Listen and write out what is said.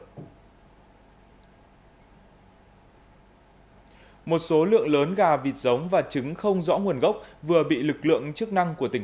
một số lượng lớn gà vịt giống và trứng không rõ nguồn gốc vừa bị lực lượng chức năng của tỉnh